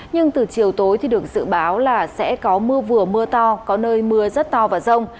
nhưng từ chiều tối thì được dự báo là sẽ có mưa vừa mưa to có nơi mưa rất to và rông